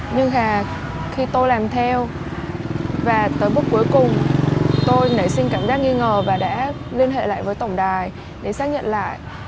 nhưng là khi tôi làm theo và tới bước cuối cùng tôi nảy sinh cảm giác nghi ngờ và đã liên hệ lại với tổng đài để xác nhận lại